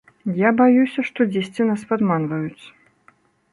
Я баюся, што дзесьці нас падманваюць.